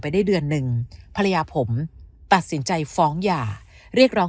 ได้เดือนหนึ่งภรรยาผมตัดสินใจฟ้องหย่าเรียกร้อง